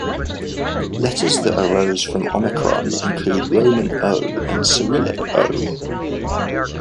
Letters that arose from omicron include Roman O and Cyrillic O.